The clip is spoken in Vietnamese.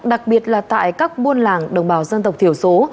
đặc biệt là tại các buôn làng đồng bào dân tộc thiểu số